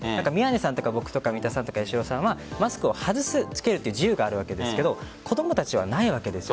宮根さんとか僕とか三田さんとか八代さんはマスクを外すつけるという自由がありますけど子供たちはないわけです。